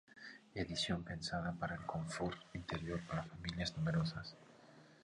Edición pensada para el confort interior para familias numerosas.